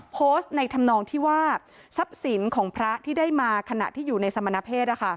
โพสต์ในธรรมนองที่ว่าทรัพย์สินของพระที่ได้มาขณะที่อยู่ในสมณเพศ